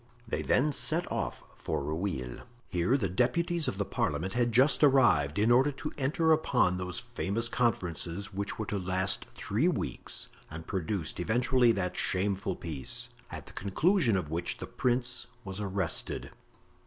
They then set off for Rueil. Here the deputies of the parliament had just arrived, in order to enter upon those famous conferences which were to last three weeks, and produced eventually that shameful peace, at the conclusion of which the prince was arrested.